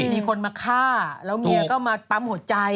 มีคนมาฆ่าแล้วเมียก็มาปั๊มหัวใจ